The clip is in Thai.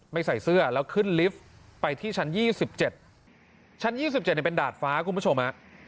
ใส่เสื้อแล้วขึ้นลิฟต์ไปที่ชั้น๒๗ชั้น๒๗เป็นดาดฟ้าคุณผู้ชมฮะ